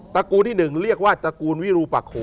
ตากูลที่๑เรียกว่าตากูลวิรูปะโคสีทอง